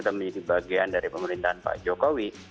akan menjadi bagian dari pemerintahan pak jokowi